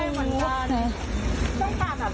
ก็คุยกับลูกค้ากับเขากันยังไง